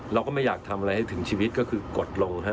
เราก็ไม่อยากทำอะไรให้ถึงชีวิตก็คือกดลงครับ